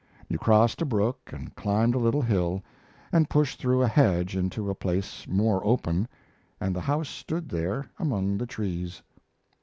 You crossed a brook and climbed a little hill, and pushed through a hedge into a place more open, and the house stood there among the trees.